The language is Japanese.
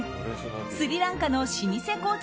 スリランカの老舗紅茶